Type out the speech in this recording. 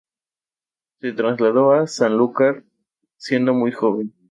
Se trasladó a Sanlúcar siendo muy joven.